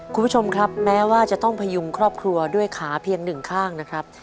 คุณผู้ชมครับแม้ว่าจะต้องพยุงครอบครัวด้วยขาเพียงหนึ่งข้างนะครับ